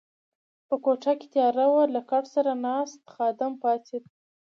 په کوټه کې تیاره وه، له کټ سره ناست خادم پاڅېد.